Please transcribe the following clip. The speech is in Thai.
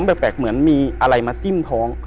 แปลกเหมือนมีอะไรมาจิ้มท้อง